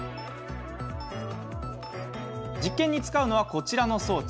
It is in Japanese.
実験に使うのは、こちらの装置。